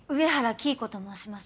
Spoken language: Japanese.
黄以子と申します。